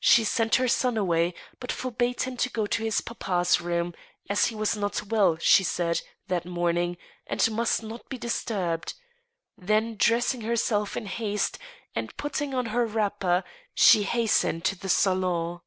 She sent her son away, but forbade him to go to his papa's room» as he was not well, she said, that morning, and must not be dis turbed ; then, dressing herself in haste, and putting on her wrapper, she hastened to the salon.